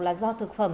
là do thực phẩm